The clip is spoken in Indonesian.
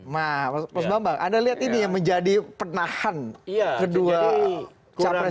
nah mas bambang anda lihat ini yang menjadi penahan kedua capres ini